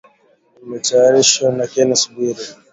Imetayarishwa na Kennes Bwire